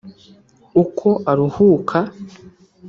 uko aruhuka